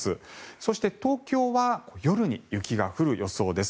そして、東京は夜に雪が降る予想です。